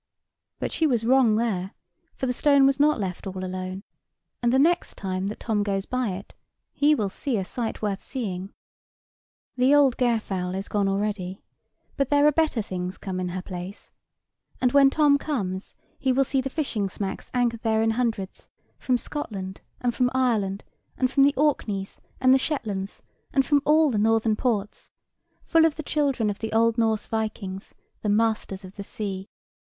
But she was wrong there; for the stone was not left all alone: and the next time that Tom goes by it, he will see a sight worth seeing. The old Gairfowl is gone already: but there are better things come in her place; and when Tom comes he will see the fishing smacks anchored there in hundreds, from Scotland, and from Ireland, and from the Orkneys, and the Shetlands, and from all the Northern ports, full of the children of the old Norse Vikings, the masters of the sea.